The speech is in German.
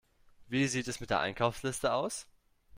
Wie sieht es mit der Einkaufsliste aus?